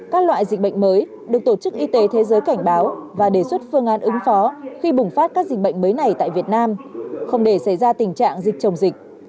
các loại dịch bệnh mới được tổ chức y tế thế giới cảnh báo và đề xuất phương án ứng phó khi bùng phát các dịch bệnh mới này tại việt nam không để xảy ra tình trạng dịch chồng dịch